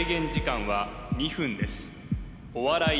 お笑い